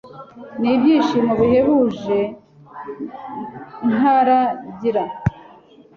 Nibyishimo bihebuje ntara gira